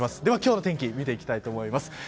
では今日の天気見ていきたいと思います。